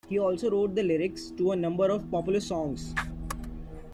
He also wrote the lyrics to a number of popular songs.